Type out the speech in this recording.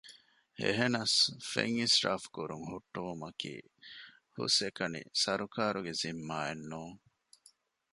އެހެނަސް ފެން އިސްރާފުކުރުން ހުއްޓުވުމަކީ ހުސްއެކަނި ސަރުކާރުގެ ޒިންމާއެއް ނޫން